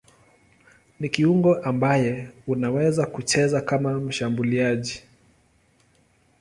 Ni kiungo ambaye anaweza kucheza kama mshambuliaji.